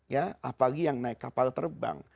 ya apalagi yang naik kapal terbang